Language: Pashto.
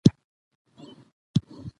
دا چې مضامين دي